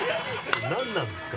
何なんですか？